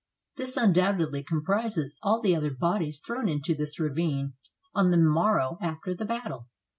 This un doubtedly comprises all the other bodies thrown into this ravine on the morrow after the battle.